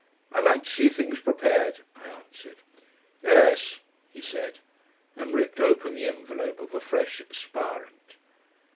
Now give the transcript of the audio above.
"I like to see things prepared," I answered. "Yes," he said, and ripped open the envelope of a fresh aspirant.